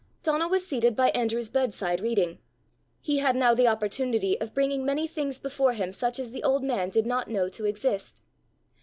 Donal was seated by Andrew's bedside reading: he had now the opportunity of bringing many things before him such as the old man did not know to exist.